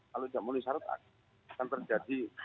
kalau jam satu siang akan terjadi